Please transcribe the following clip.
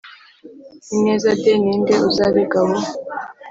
ineza d Ni nde uzarega abo